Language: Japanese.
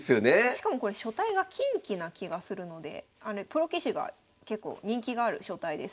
しかもこれ書体が錦旗な気がするのでプロ棋士が結構人気がある書体ですね。